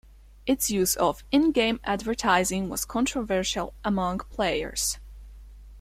Its use of in-game advertising was controversial among players.